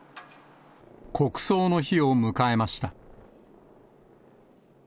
国葬の日を迎えました。